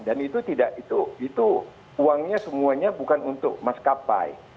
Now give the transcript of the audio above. dan itu tidak itu uangnya semuanya bukan untuk maskapai